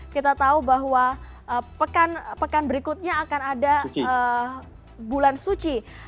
kita tahu bahwa pekan berikutnya akan ada bulan suci